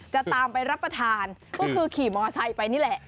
จะตามไปรับประทานก็คือขี่มอไซค์ไปนี่แหละ